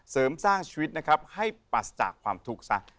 เสริมสร้างชีวิตนะครับให้ปรัสจากความทุกข์ซะ